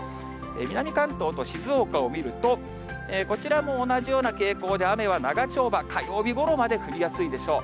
南関東と静岡を見ると、こちらも同じような傾向で、雨は長丁場、火曜日ごろまで降りやすいでしょう。